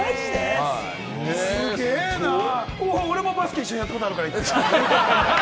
すげぇな、俺もバスケ一緒にやったことあるから。